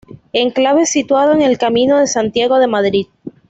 Enclave situado en el Camino de Santiago de Madrid.